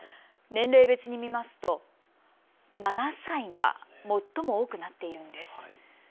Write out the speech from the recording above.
年齢別に見ますと７歳が最も多くなっているんです。